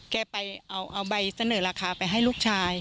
แกไปเอาใบเสนอราคาไปให้ลูกชาย